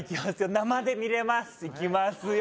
生で見れますいきますよ